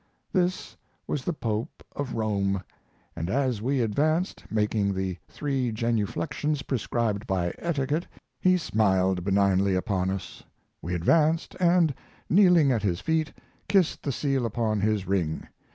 This was the Pope of Rome, and as we advanced, making the three genuflexions prescribed by etiquette, he smiled benignly upon us. We advanced and, kneeling at his feet, kissed the seal upon his ring.